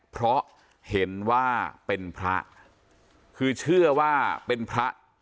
เพราะเห็นว่าเป็นพระคือเชื่อว่าเป็นพระ